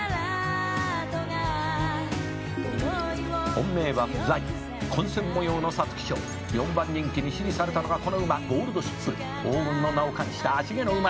「本命は不在混戦模様の皐月賞」「４番人気に支持されたのがこの馬ゴールドシップ」「黄金の名を冠した芦毛の馬だ」